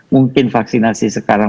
mungkin vaksinasi sekarang